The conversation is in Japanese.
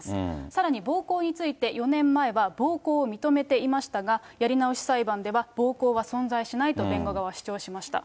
さらに暴行について、４年前は暴行を認めていましたが、やり直し裁判では、暴行は存在しないと弁護側は主張しました。